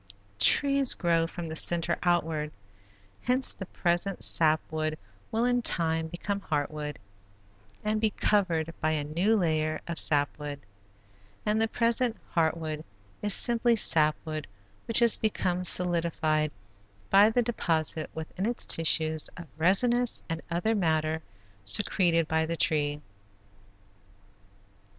Trees grow from the center outward, hence the present sap wood will in time become heart wood and be covered by a new layer of sap wood, and the present heart wood is simply sap wood which has become solidified by the deposit within its tissues of resinous and other matter secreted by the tree.